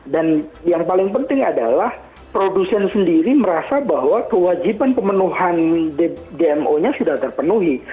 dan yang paling penting adalah produsen sendiri merasa bahwa kewajiban pemenuhan dmo nya sudah terpenuhi